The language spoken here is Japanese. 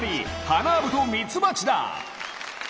ハナアブとミツバチだ！